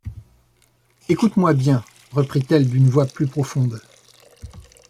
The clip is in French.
Écoute-moi bien, reprit-elle d’une voix plus profonde.